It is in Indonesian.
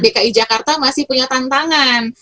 dki jakarta masih punya tantangan